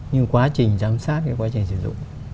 nhưng quá trình giám sát quá trình sử dụng